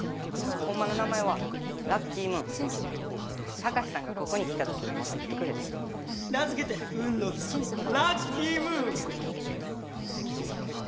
ほんまの名前はラッキームーンタカシさんがここに来た時に持ってきてくれて名付けて運の月・ラッキームーン！